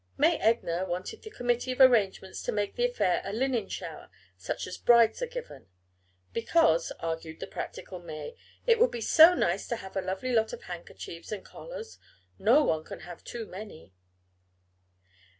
May Egner wanted the committee of arrangements to make the affair a "Linen Shower" such as brides are given. "Because," argued the practical May, "it will be so nice to have a lovely lot of handkerchiefs and collars. No one can have too many."